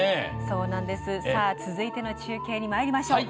続いての中継にまいりましょう。